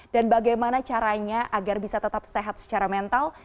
dan bagaimana caranya agar bisa tetap sehat secara mental